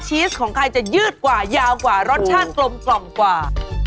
ชีสของใครจะยืดกว่ายาวกว่ารสชาติกลมกว่า